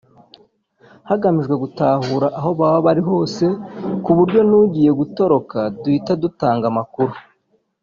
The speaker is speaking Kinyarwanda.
hagamijwe gutahura aho baba bari hose ku buryo n’ugiye gutoroka duhita dutanga amakuru